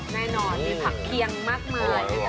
แน่นอนมีผักเคียงมากมายนะคะ